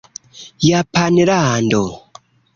Japanlando